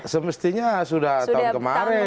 semestinya sudah tahun kemarin